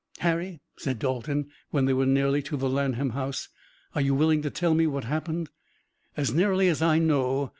"Harry," said Dalton, when they were nearly to the Lanham house, "are you willing to tell what happened?" "As nearly as I know.